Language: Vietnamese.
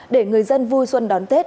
để người dân vui xuân đón tết